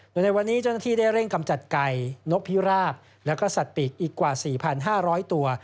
โดยในวันนี้เจ้าหน้าที่ได้เร่งกำจัดไก่นกพิราบและก็สัตว์ปีกอีกกว่า๔๕๐๐ตัว